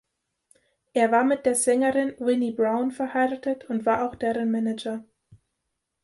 Er war mit der Sängerin Wini Brown verheiratet und war auch deren Manager.